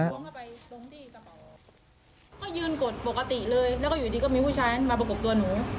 ก็ยืนกดปกติเลยแล้วก็อยู่ดีก็มีผู้ชายนั้นมาประกบตัวหนู